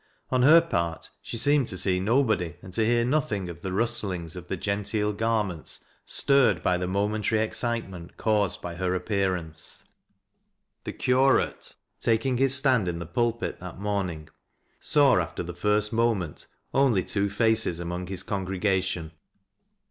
On her part, she seemed to see nobody and to hear nothing of the rustlings of the genteel garments stirred by the momentary excitement caused by her ap pearance. The curate, taking his stand in the pulpit that morning, saw after the first moment only two faces among his con gregation.